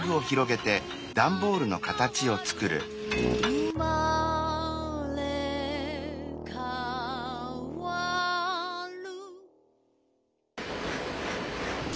「うまれかわる」